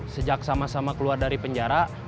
sejak sama sama keluar dari penjara